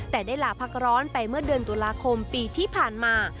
แต่ได้ลาพักร้อนไปเมื่อเดือนตุลาคมปีที่ผ่านมา